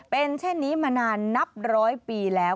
เป็นเช่นนี้มานานนับร้อยปีแล้ว